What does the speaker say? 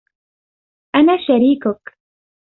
أنا شريكك.